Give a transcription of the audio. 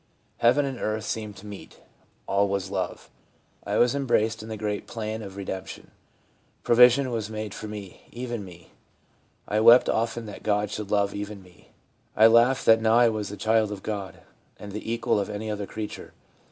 Heaven and earth seemed to meet. All was love. I was embraced in the great plan of redemption. Provision was made for me, even me. I wept often that God should love even me. I laughed that now I was the child of God, and the equal of any other creature.